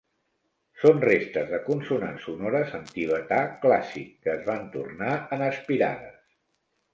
Són restes de consonants sonores en tibetà clàssic que es van tornar en aspirades.